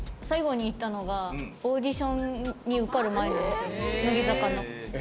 最後に行ったのがオーディションに受かる前なんですよ、乃木坂の。